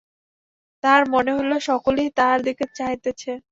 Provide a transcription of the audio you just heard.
তাহার মনে হইল সকলেই তাহার দিকে চাহিতেছে।